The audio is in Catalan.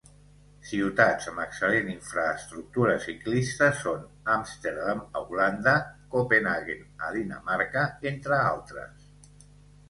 Ciutats amb excel·lent infraestructura ciclista són Amsterdam a Holanda, Copenhaguen a Dinamarca, entre altres.